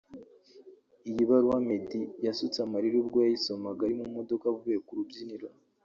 iyi baruwa Meddy yasutse amarira ubwo yayisomaga ari mu modoka avuye ku rubyiniro